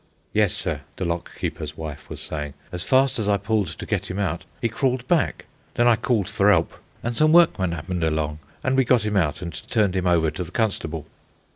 "Yes, sir," the lock keeper's wife was saying. "As fast as I pulled to get 'im out, 'e crawled back. Then I called for 'elp, and some workmen 'appened along, and we got 'im out and turned 'im over to the constable."